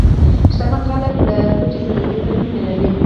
شتمن خلک له پټې صدقې سره مینه لري.